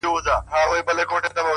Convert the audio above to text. کوښښ د استعداد کمښت پوره کوي،